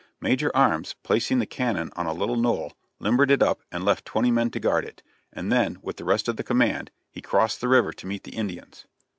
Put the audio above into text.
Major Arms, placing the cannon on a little knoll, limbered it up and left twenty men to guard it; and then, with the rest of the command, he crossed the river to meet the Indians.